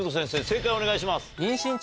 正解をお願いします。